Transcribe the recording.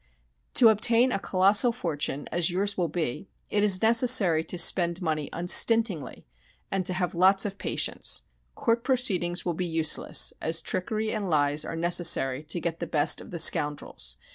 "To obtain a collossal fortune as yours will be, it is necessary to spend money unstintingly and to have lots of patience. Court proceedings will be useless, as trickery and lies are necessary to get the best of the scoundrels.